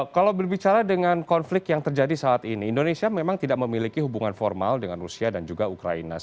kalau berbicara dengan konflik yang terjadi saat ini indonesia memang tidak memiliki hubungan formal dengan rusia dan juga ukraina